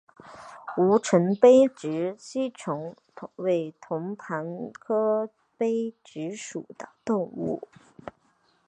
吴城杯殖吸虫为同盘科杯殖属的动物。